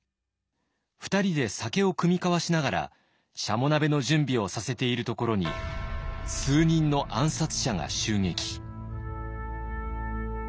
２人で酒を酌み交わしながらしゃも鍋の準備をさせているところに数人の暗殺者が襲撃。